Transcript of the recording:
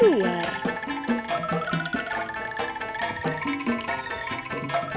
tapi katanya di luar